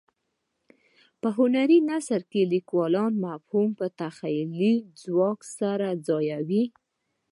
په هنري نثر کې لیکوال مفاهیم په تخیلي ځواک سره ځایوي.